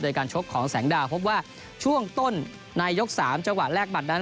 โดยการชกของแสงดาวพบว่าช่วงต้นในยก๓จังหวะแรกบัตรนั้น